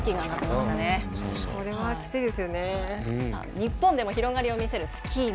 日本でも広がりを見せるスキーモ。